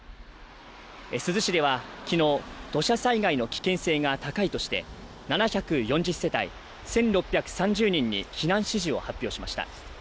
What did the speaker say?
珠洲市では昨日、土砂災害の危険性が高いとして、７４０世帯１６３０人に避難指示を発表しました。